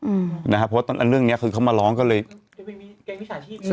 อืมนะฮะเพราะตอนเรื่องเนี้ยคือเขามาร้องก็เลยจะไปมีเกณฑ์วิชาชีพ